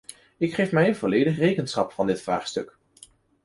Ik geef mij volledig rekenschap van dit vraagstuk.